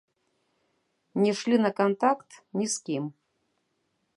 Не шлі на кантакт ні з кім.